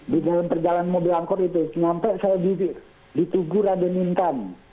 di dalam perjalanan mobil angkot itu sampai saya ditunggu rada minta